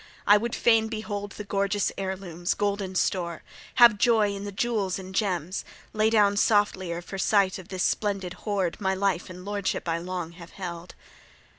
I would fain behold the gorgeous heirlooms, golden store, have joy in the jewels and gems, lay down softlier for sight of this splendid hoard my life and the lordship I long have held."